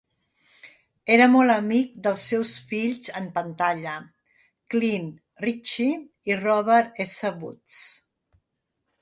Era molt amic dels seus fills en pantalla, Clint Ritchie i Robert S. Woods.